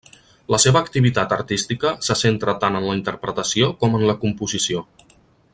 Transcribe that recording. La seva activitat artística se centra tant en la interpretació com en la composició.